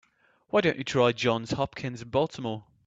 Why don't you try Johns Hopkins in Baltimore?